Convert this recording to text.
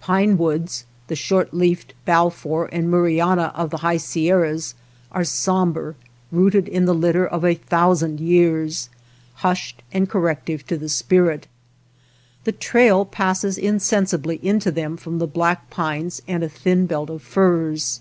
Pine woods, the short leafed Balfour and Murryana of the high Sierras, are sombre, rooted in the litter of a thousand years, hushed, and corrective to the spirit. The trail passes insensibly into them from the black pines and a thin belt of firs.